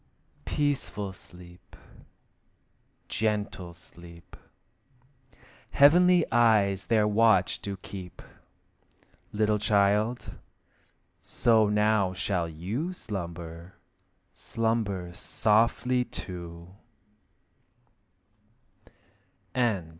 Peaceful sleep, gentle sleep! Heavenly eyes their watch do keep. Little child, so now shall you Slumber, slumber softly too!